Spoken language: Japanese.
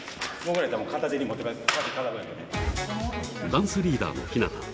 ダンスリーダーのひなた。